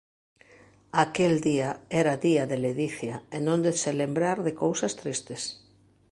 Aquel día era día de ledicia e non de se lembrar de cousas tristes.